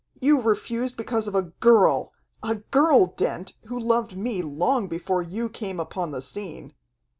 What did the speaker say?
You refused because of a girl a girl, Dent, who loved me long before you came upon the scene."